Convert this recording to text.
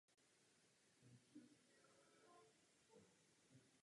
Kromě kompaktního disku vyšlo album také na dlouhohrající gramofonové desce.